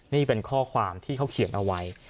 นี่เป็นข้อความที่เขาเขียนเอาไว้